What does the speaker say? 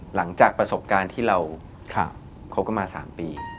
หลังจากประสบการณ์ที่เราคบกันมา๓ปี